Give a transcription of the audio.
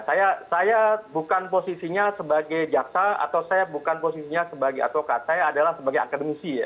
saya bukan posisinya sebagai jaksa atau saya bukan posisinya sebagai atau saya adalah sebagai akademisi